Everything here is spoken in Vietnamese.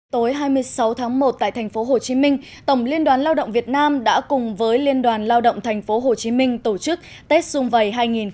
tối hai mươi sáu tháng một tại tp hcm tổng liên đoàn lao động việt nam đã cùng với liên đoàn lao động tp hcm tổ chức tết xung vầy hai nghìn một mươi chín